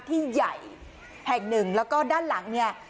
ที่ใหญ่แห่งหนึ่งแล้วก็ด้านหลังเนี่ย